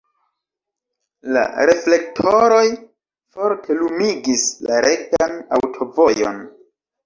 La reflektoroj forte lumigis la rektan aŭtovojon.